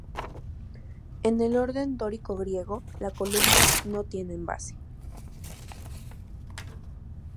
En el orden dórico griego, la columna no tienen base.